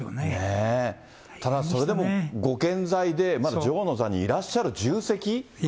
ただそれでもご健在で、まだ女王の座にいらっしゃる重責。